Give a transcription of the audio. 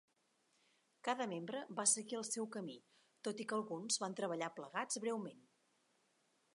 Cada membre va seguir el seu camí, tot i que alguns van treballar plegats breument.